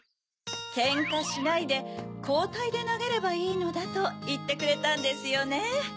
ケンカしないでこうたいでなげればいいのだといってくれたんですよね？